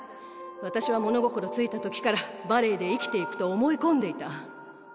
私は物心付いたときからバレエで生きてゆくと思い込んでいた。